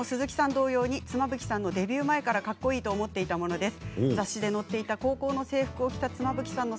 同様に妻夫木さんのデビュー前からかっこいいと思っていた者です。